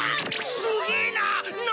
すげえな！